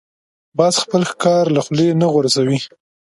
باز خپل ښکار له خولې نه غورځوي